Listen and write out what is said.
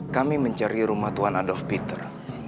kami mencari rumah tuan adolf peter